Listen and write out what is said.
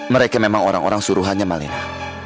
mereka memang orang orang suruhannya malina